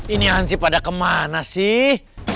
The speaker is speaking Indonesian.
ini ansi pada kemana sih